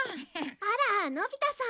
あらのび太さん。